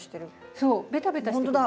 そうベタベタしてくるの。